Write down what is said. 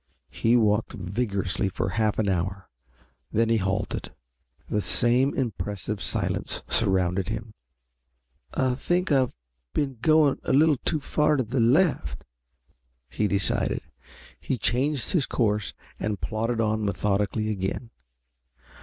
He walked vigorously for half an hour. Then he halted. The same impressive silence surrounded him. "I think I have been going a little too far to the left," he decided. He changed his course and plodded on methodically again.